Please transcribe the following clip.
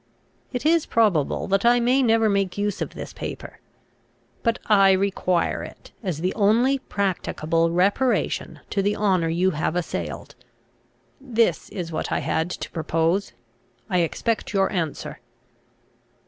It is probable that I may never make use of this paper, but I require it, as the only practicable reparation to the honour you have assailed. This is what I had to propose. I expect your answer."